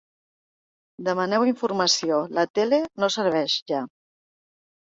Demaneu informació, la tele no serveix ja.